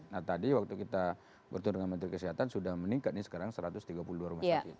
nah tadi waktu kita bertemu dengan menteri kesehatan sudah meningkat nih sekarang satu ratus tiga puluh dua rumah sakit